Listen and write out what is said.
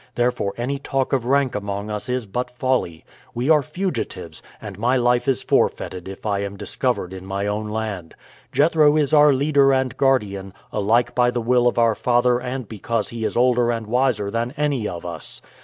Therefore any talk of rank among us is but folly. We are fugitives, and my life is forfeited if I am discovered in my own land. Jethro is our leader and guardian, alike by the will of our father and because he is older and wiser than any of us.